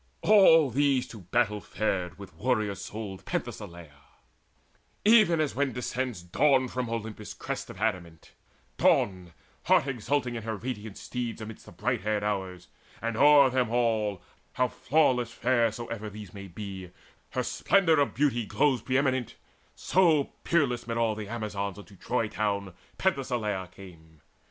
All these to battle fared with warrior souled Penthesileia: even as when descends Dawn from Olympus' crest of adamant, Dawn, heart exultant in her radiant steeds Amidst the bright haired Hours; and o'er them all, How flawless fair soever these may be, Her splendour of beauty glows pre eminent; So peerless amid all the Amazons Unto Troy town Penthesileia came.